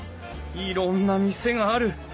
いろんな店がある。